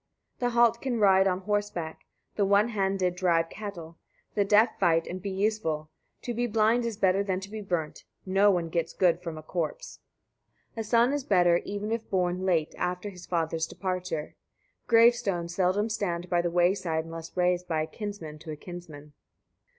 71. The halt can ride on horseback, the one handed drive cattle; the deaf fight and be useful: to be blind is better than to be burnt no one gets good from a corpse. 72. A son is better, even if born late, after his father's departure. Gravestones seldom stand by the way side unless raised by a kinsman to a kinsman.